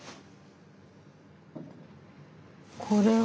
これは？